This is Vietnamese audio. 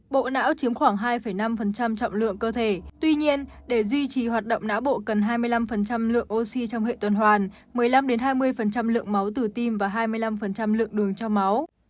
bộ não chiếm khoảng hai năm trọng lượng cơ thể tuy nhiên để duy trì hoạt động não bộ cần hai mươi năm lượng oxy trong hệ tuần hoàn một mươi năm hai mươi lượng máu từ tim và hai mươi năm lượng đường cho máu